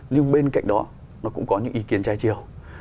nhưng bên cạnh đó nó cũng có những ý kiến trái chiều